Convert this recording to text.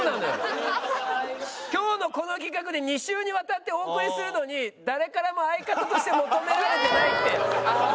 今日のこの企画で２週にわたってお送りするのに誰からも相方として求められてないって。